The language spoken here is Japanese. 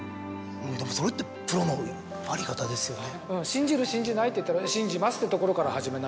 それってプロのあり方ですよね。